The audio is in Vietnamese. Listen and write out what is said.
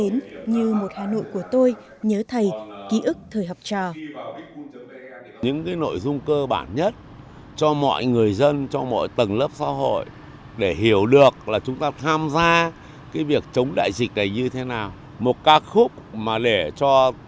lê thống nhất được biết đến như một hà nội của tôi nhớ thầy ký ức thời học trò